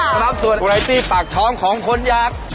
พร้อมส่วนวาราคติปากช้องของคนอยาก